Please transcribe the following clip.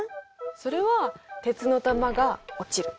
それは鉄の球が落ちる。